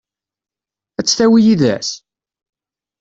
Ad tt-tawi yid-s?